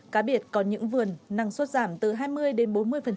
cá biệt có những vườn năng suất giảm từ hai mươi đến bốn mươi